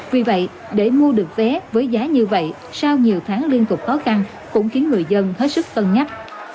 vì vậy để mua được vé với giá như vậy sau nhiều tháng liên tục khó khăn cũng khiến người dân hết sức cân nhắc